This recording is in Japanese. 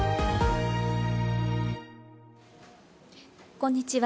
こんにちは。